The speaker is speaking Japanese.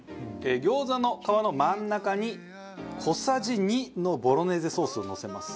餃子の皮の真ん中に小さじ２のボロネーゼソースをのせます。